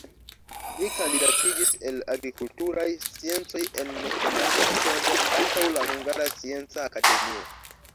Li kandidatiĝis el agrikulturaj sciencoj en nekonata tempo antaŭ la Hungara Scienca Akademio.